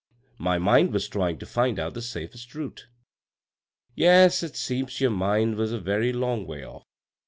My mind was trying to find out the safest route." " Yes, it seems your mind was a very long way off.